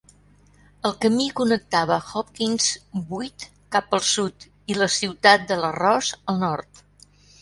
El camí connectava Hopkins buit cap al sud i la ciutat de l'arròs al nord.